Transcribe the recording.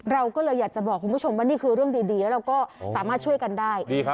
เราก็เลยอยากจะบอกคุณผู้ชมว่านี่คือเรื่องดีแล้วเราก็สามารถช่วยกันได้